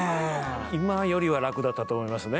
今よりはラクだったと思いますね